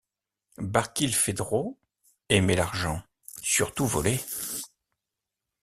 Barkilphedro aimait l’argent, surtout volé.